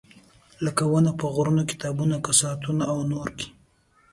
لکه ونه په غرونه، کتابونه، کساتونه او نور کې.